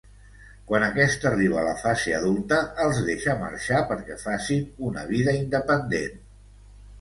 Quan aquest arriba a la fase adulta, els deixa marxar perquè facin una vida independent.